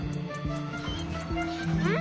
うん？